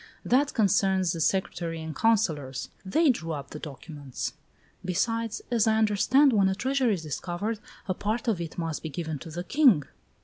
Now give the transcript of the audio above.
"That concerns the secretary and councillors. They drew up the documents." "Besides, as I understand, when a treasure is discovered, a part of it must be given to the king."